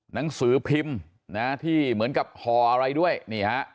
หนังสือพิมพ์นะที่เหมือนกับห่ออะไรด้วยนี่ฮะ